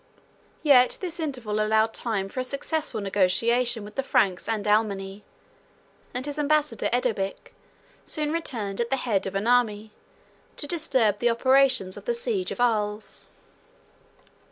Yet this interval allowed time for a successful negotiation with the Franks and Alemanni and his ambassador, Edobic, soon returned at the head of an army, to disturb the operations of the siege of Arles.